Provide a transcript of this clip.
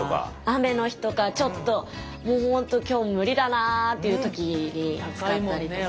雨の日とかちょっともうほんと今日無理だなあっていう時に使ったりとか。